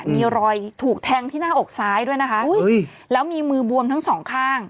มีรอยถูกแทงที่หน้าอกซ้ายด้วยนะคะแล้วมีมือบวมทั้งสองข้าง